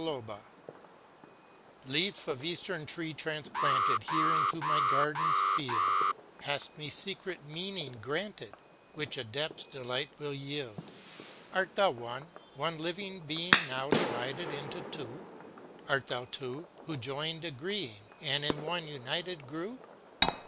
223 Leaf of Eastern tree transplanted Here into my garden's field, Hast me secret meaning granted, Which adepts delight will yield. Art thou one — one living being Now divided into two? Art thou two, who joined agreeing And in one united grew?